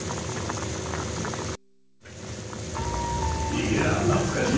いや懐かしい！